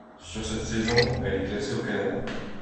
Sur cette saison, elle est classée au Canada.